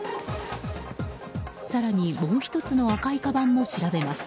更に、もう１つの赤いかばんも調べます。